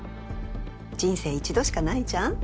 人生一度しかないじゃん。